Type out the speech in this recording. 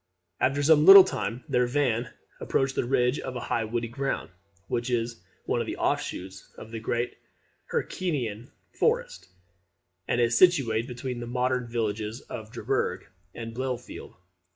After some little time their van approached a ridge of high woody ground, which is one of the off shoots of the great Hercynian forest, and is situate between the modern villages of Driburg and Bielefeld.